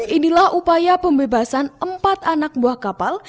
inilah upaya pembebasan empat anak buah kapal